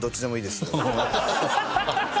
ハハハハ！